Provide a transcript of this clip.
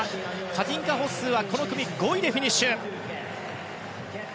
カティンカ・ホッスーはこの組５位でフィニッシュ。